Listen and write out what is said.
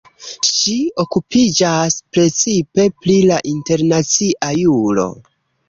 Ŝi okupiĝas precipe pri la internacia juro.